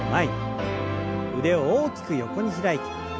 腕を大きく横に開いて。